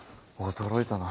驚いたな。